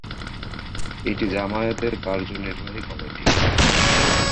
এটি জামায়াতের কার্যনির্বাহী কমিটি।